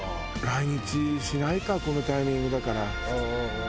来日しないかこのタイミングだから。